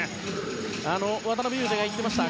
渡邊雄太が言っていました。